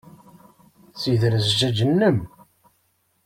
Ssider zzjaj-nnem!